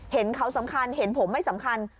เห็นเขาสำคัญเห็นผมไม่สำคัญ